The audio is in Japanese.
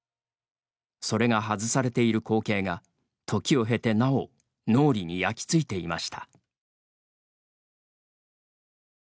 それが外されている光景が時を経て、なお脳裏に焼き付いていました。